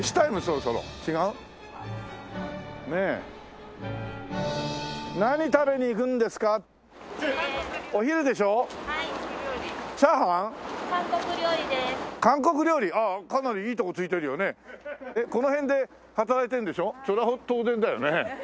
それは当然だよね。